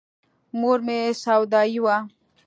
مور مې سودايي وه.